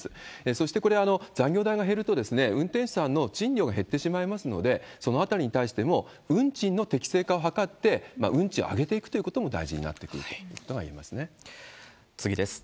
そして、これ、残業代が減ると、運転手さんの賃料が減ってしまいますので、そのあたりに対しても、運賃の適正化を図って、運賃を上げていくということも大事になってくるということがいえ次です。